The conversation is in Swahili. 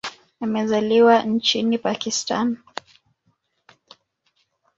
Amezaliwa nchini Pakistan.